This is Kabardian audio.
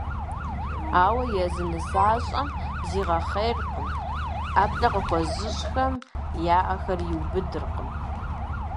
Ауэ езы нысащӀэм зигъэхъейркъым, ӀэплӀэ къыхуэзыщӀхэм я Ӏэхэри иубыдыркъым.